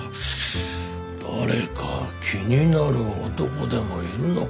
誰か気になる男でもいるのかねえ。